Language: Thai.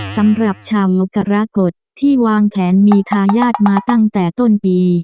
สำหรับชาวมกรกฎที่วางแผนมีทายาทมาตั้งแต่ต้นปี